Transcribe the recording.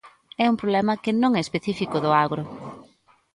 É un problema que non é específico do agro.